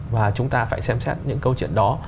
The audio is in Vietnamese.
và chúng ta phải xem xét những câu chuyện đó